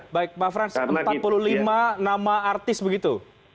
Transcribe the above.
baik pak frans empat puluh lima nama artis begitu